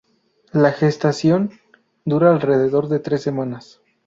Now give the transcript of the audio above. La gestación dura alrededor de tres semanas.